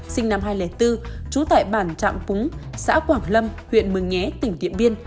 sinh năm hai nghìn bốn chú tại bản trạm cúng xã quảng lâm huyện mừng nhé tỉnh điện biên